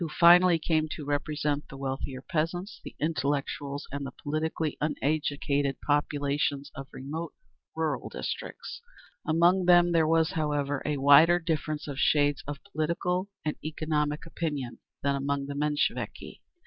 They finally came to represent the wealthier peasants, the intellectuals, and the politically uneducated populations of remote rural districts. Among them there was, however, a wider difference of shades of political and economic opinion than among the Mensheviki.